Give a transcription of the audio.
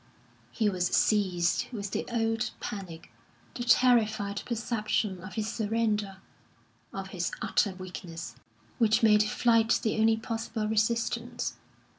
He was seized with the old panic, the terrified perception of his surrender, of his utter weakness, which made flight the only possible resistance.